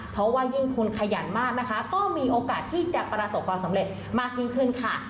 เพราะว่ายิ่งคุณขยันมากนะคะก็มีโอกาสที่จะประสบความสำเร็จมากยิ่งขึ้นค่ะ